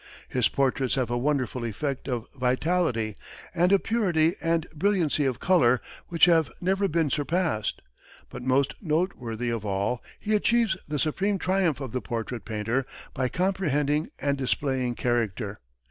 His portraits have a wonderful effect of vitality, and a purity and brilliancy of color which have never been surpassed; but most noteworthy of all, he achieves the supreme triumph of the portrait painter by comprehending and displaying character.